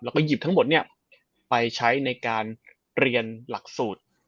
แล้วก็หยิบทั้งหมดไปใช้ในการเรียนหลักสูตร